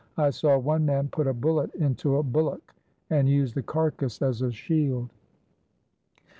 I saw one man put a bullet into a bullock, and use the carcass as a shield.